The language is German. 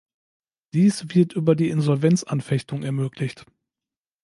Dies wird über die Insolvenzanfechtung ermöglicht.